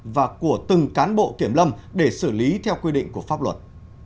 và của từng cán bộ kiểm lâm để xử lý theo quy định của pháp luật